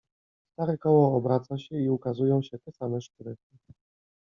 "Stare koło obraca się i ukazują się te same szprychy."